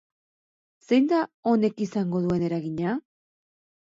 Zein da honek izango duen eragina?